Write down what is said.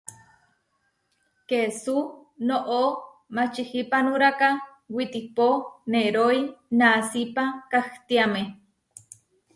Kesú noʼó mačihipanuráka witipo neroí nasípa kahtiáme.